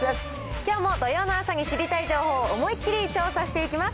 きょうも土曜の朝に知りたい情報を思いっきり調査していきます。